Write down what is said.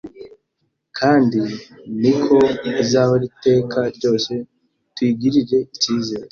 kandi niko izahora iteka ryose. Tuyigirire icyizere.